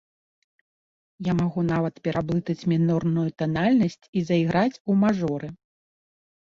Я магу нават пераблытаць мінорную танальнасць і заіграць у мажоры.